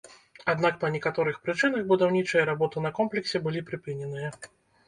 Аднак па некаторых прычынах будаўнічыя работы на комплексе былі прыпыненыя.